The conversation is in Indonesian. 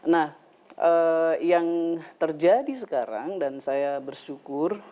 nah yang terjadi sekarang dan saya bersyukur